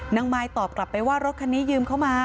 มายตอบกลับไปว่ารถคันนี้ยืมเข้ามา